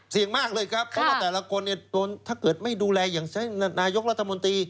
มากเลยครับเพราะว่าแต่ละคนเนี่ยโดนถ้าเกิดไม่ดูแลอย่างใช้นายกรัฐมนตรี